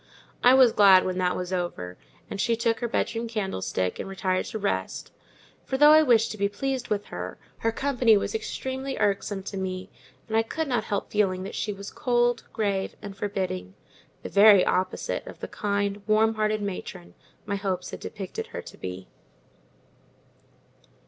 I was glad when that was over, and she took her bedroom candlestick and retired to rest; for though I wished to be pleased with her, her company was extremely irksome to me; and I could not help feeling that she was cold, grave, and forbidding—the very opposite of the kind, warm hearted matron my hopes had depicted her to be.